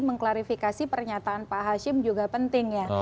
mengklarifikasi pernyataan pak hashim juga penting ya